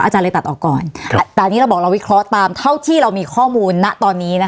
เลยตัดออกก่อนแต่อันนี้เราบอกเราวิเคราะห์ตามเท่าที่เรามีข้อมูลณตอนนี้นะคะ